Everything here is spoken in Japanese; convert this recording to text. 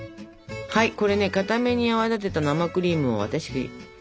はいこれねかために泡立てた生クリームを私用意しておりますから。